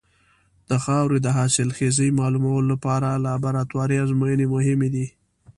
د خاورې د حاصلخېزۍ معلومولو لپاره لابراتواري ازموینې مهمې دي.